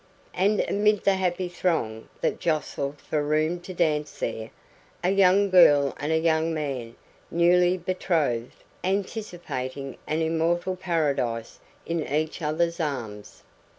And amid the happy throng that jostled for room to dance there, a girl and a young man, newly betrothed, anticipating an immortal paradise in each other's arms.